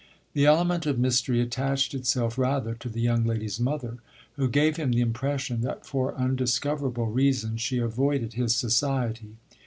The element of mystery attached itself rather to the young lady's mother, who gave him the impression that for undiscoverable reasons she avoided his society.